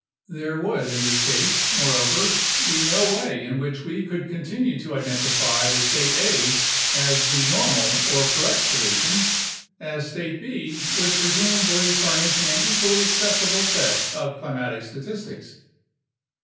There would in this case, moreover, be no way in which we could continue to identify the state A as the "normal" or correct solution, as state B would presumably furnish an equally acceptable set of climatic statistics.